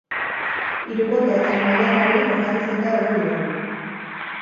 Hirukote zumaiarrari elkarrizketa egin diogu.